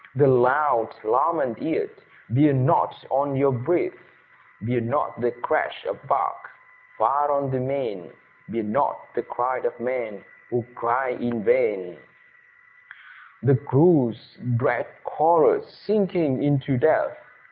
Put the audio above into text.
The loud lament yet bear not on your breath! Bear not the crash of bark far on the main, Bear not the cry of men, who cry in vain, The crew's dread chorus sinking into death!